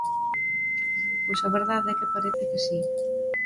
Pois a verdade é que parece que si.